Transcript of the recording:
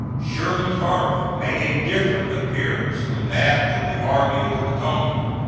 Sherman's army made a different appearance from that of the Army of the Potomac.